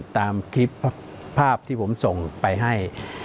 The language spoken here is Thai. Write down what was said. ตามคลิปภาพที่ผมส่งไปให้